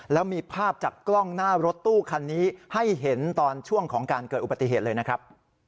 แล้วมีภาพจากกล้องหน้ารถตู้คันนี้ให้เห็นตอนช่วงของการเกิดอุบัติเหตุเลยนะครับ